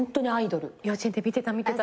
幼稚園で見てた見てた。